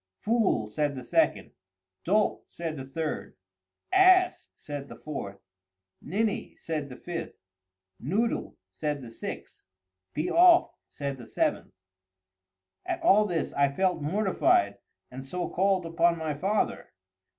"Fool!" said the second. "Dolt!" said the third. "Ass!" said the fourth. "Ninny!" said the fifth. "Noodle!" said the sixth. "Be off!" said the seventh. At all this I felt mortified, and so called upon my father.